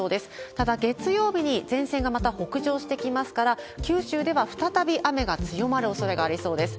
ただ、月曜日に前線がまた北上してきますから、九州では再び雨が強まるおそれがありそうです。